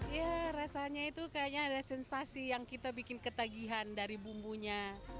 ya rasanya itu kayaknya ada sensasi yang kita bikin ketagihan dari bumbunya